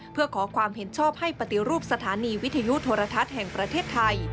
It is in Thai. เพื่อขอความเห็นชอบให้ปฏิรูปสถานีวิทยุโทรทัศน์แห่งประเทศไทย